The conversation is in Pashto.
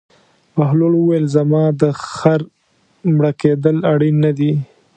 بهلول وویل: زما د خر مړه کېدل اړین نه دي.